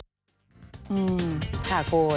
อืมถ้าโกรธ